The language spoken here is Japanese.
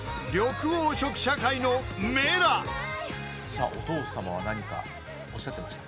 さあお父さまは何かおっしゃってましたか？